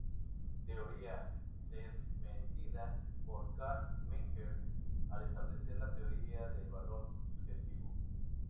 Teoría desmentida por Carl Menger al establecer la teoría del valor subjetivo.